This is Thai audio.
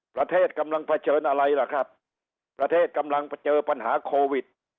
ประเทศกำลังเผชิญอะไรล่ะครับประเทศกำลังเผเจอปัญหาโควิด